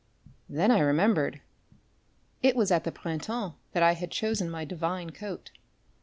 Then I remembered. It was at the Printemps that I had chosen my divine coat.